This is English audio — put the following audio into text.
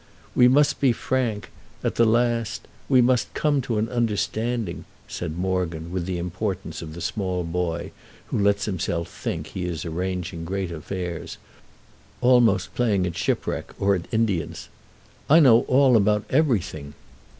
"We must be frank, at the last; we must come to an understanding," said Morgan with the importance of the small boy who lets himself think he is arranging great affairs—almost playing at shipwreck or at Indians. "I know all about everything."